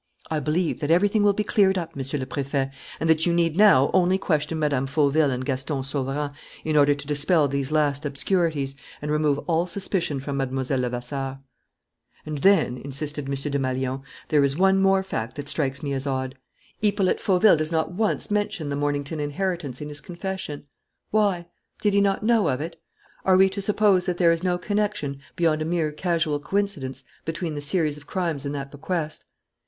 "I believe that everything will be cleared up, Monsieur le Préfet, and that you need now only question Mme. Fauville and Gaston Sauverand in order to dispel these last obscurities and remove all suspicion from Mlle. Levasseur." "And then," insisted M. Desmalions, "there is one more fact that strikes me as odd. Hippolyte Fauville does not once mention the Mornington inheritance in his confession. Why? Did he not know of it? Are we to suppose that there is no connection, beyond a mere casual coincidence, between the series of crimes and that bequest?"